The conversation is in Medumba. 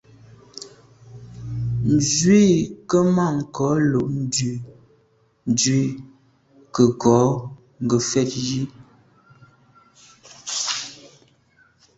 Nzwi tswemanko’ lo’ ndu i nke ngo’ ngefet yi.